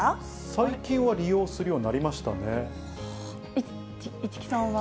最近は利用するようになりま市來さんは？